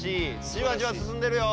じわじわすすんでるよ！